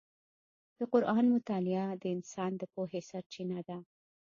د قرآن مطالعه د انسان د پوهې سرچینه ده.